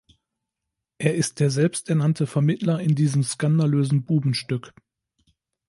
Er ist der selbsternannte Vermittler in diesem skandalösen Bubenstück.